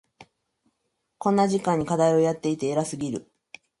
こんな時間に課題をやっていて偉すぎる。